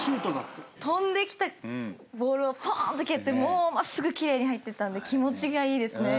飛んできたボールをポーンって蹴って真っすぐ奇麗に入ってったんで気持ちがいいですね。